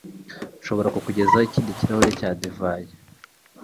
Nshobora kukugezaho ikindi kirahure cya divayi?